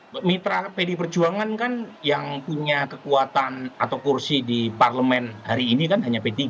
karena pdi perjuangan kan yang punya kekuatan atau kursi di parlemen hari ini kan hanya p tiga